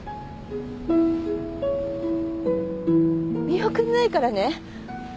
見送んないからね。